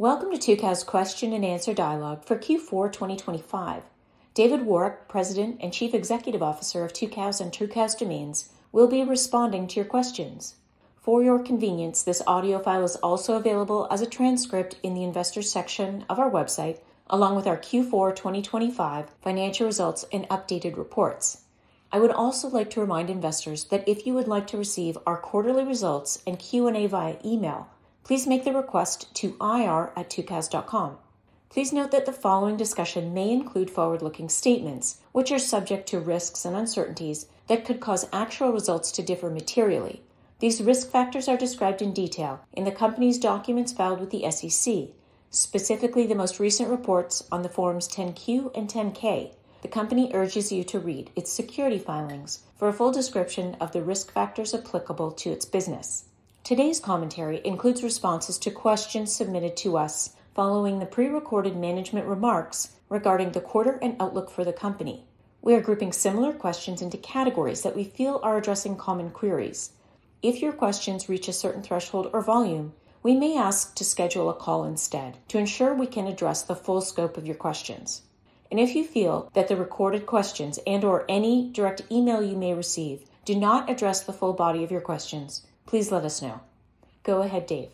Welcome to Tucows question and answer dialogue for Q4 2025. David Woroch, President and Chief Executive Officer of Tucows and Tucows Domains, will be responding to your questions. For your convenience, this audio file is also available as a transcript in the investors section of our website, along with our Q4 2025 financial results and updated reports. I would also like to remind investors that if you would like to receive our quarterly results and Q&A via email, please make the request to ir@tucows.com. Please note that the following discussion may include forward-looking statements, which are subject to risks and uncertainties that could cause actual results to differ materially. These risk factors are described in detail in the company's documents filed with the SEC, specifically the most recent reports on the Forms 10-Q and 10-K. The company urges you to read its security filings for a full description of the risk factors applicable to its business. Today's commentary includes responses to questions submitted to us following the prerecorded management remarks regarding the quarter and outlook for the company. We are grouping similar questions into categories that we feel are addressing common queries. If your questions reach a certain threshold or volume, we may ask to schedule a call instead to ensure we can address the full scope of your questions. If you feel that the recorded questions and/or any direct email you may receive do not address the full body of your questions, please let us know. Go ahead, Dave.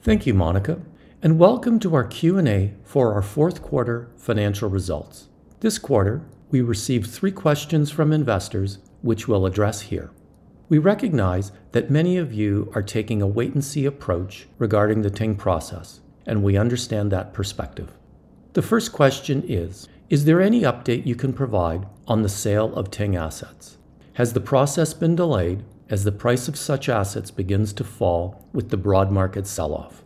Thank you, Monica, and welcome to our Q&A for our fourth quarter financial results. This quarter, we received three questions from investors, which we'll address here. We recognize that many of you are taking a wait and see approach regarding the Ting process, and we understand that perspective. The first question is: Is there any update you can provide on the sale of Ting assets? Has the process been delayed as the price of such assets begins to fall with the broad market sell-off?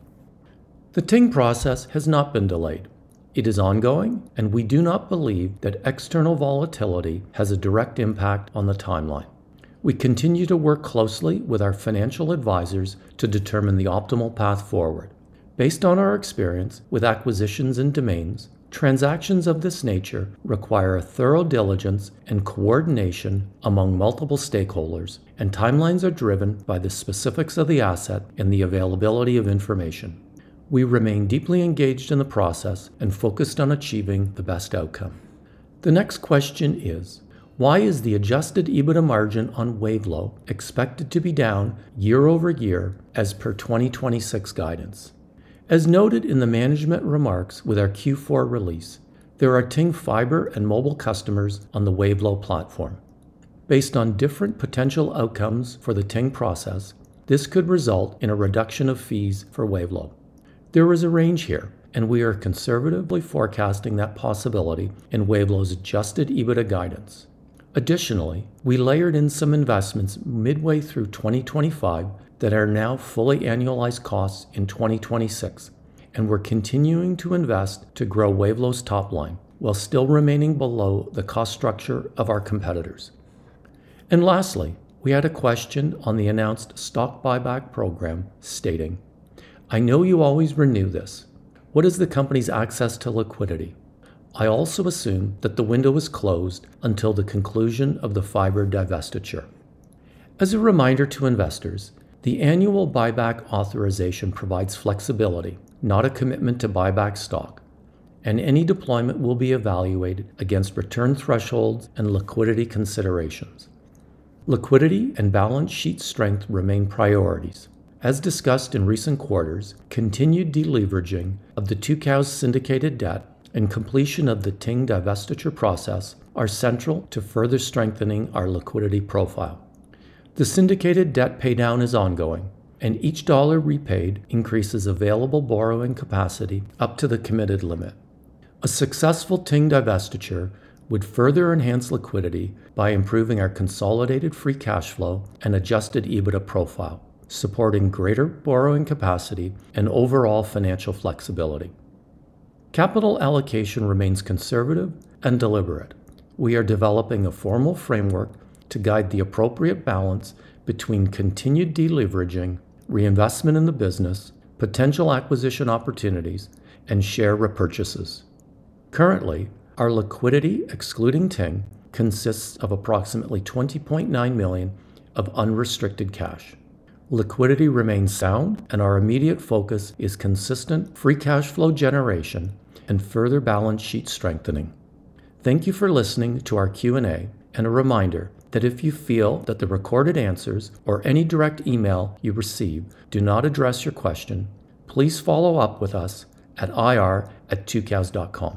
The Ting process has not been delayed. It is ongoing, and we do not believe that external volatility has a direct impact on the timeline. We continue to work closely with our financial advisors to determine the optimal path forward. Based on our experience with acquisitions and domains, transactions of this nature require a thorough diligence and coordination among multiple stakeholders, and timelines are driven by the specifics of the asset and the availability of information. We remain deeply engaged in the process and focused on achieving the best outcome. The next question is: Why is the adjusted EBITDA margin on Wavelo expected to be down year-over-year as per 2026 guidance? As noted in the management remarks with our Q4 release, there are Ting Fiber and mobile customers on the Wavelo platform. Based on different potential outcomes for the Ting process, this could result in a reduction of fees for Wavelo. There is a range here, and we are conservatively forecasting that possibility in Wavelo's adjusted EBITDA guidance. Additionally, we layered in some investments midway through 2025 that are now fully annualized costs in 2026, and we're continuing to invest to grow Wavelo's top line, while still remaining below the cost structure of our competitors. Lastly, we had a question on the announced stock buyback program stating: I know you always renew this. What is the company's access to liquidity? I also assume that the window is closed until the conclusion of the fiber divestiture. As a reminder to investors, the annual buyback authorization provides flexibility, not a commitment to buy back stock, and any deployment will be evaluated against return thresholds and liquidity considerations. Liquidity and balance sheet strength remain priorities. As discussed in recent quarters, continued deleveraging of the Tucows syndicated debt and completion of the Ting divestiture process are central to further strengthening our liquidity profile. The syndicated debt paydown is ongoing, and each dollar repaid increases available borrowing capacity up to the committed limit. A successful Ting divestiture would further enhance liquidity by improving our consolidated free cash flow and adjusted EBITDA profile, supporting greater borrowing capacity and overall financial flexibility. Capital allocation remains conservative and deliberate. We are developing a formal framework to guide the appropriate balance between continued deleveraging, reinvestment in the business, potential acquisition opportunities, and share repurchases. Currently, our liquidity, excluding Ting, consists of approximately $20.9 million of unrestricted cash. Liquidity remains sound, and our immediate focus is consistent free cash flow generation and further balance sheet strengthening. Thank you for listening to our Q&A, and a reminder that if you feel that the recorded answers or any direct email you receive do not address your question, please follow up with us at ir@tucows.com.